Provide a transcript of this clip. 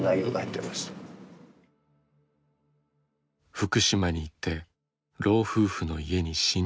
「福島に行って老夫婦の家に侵入。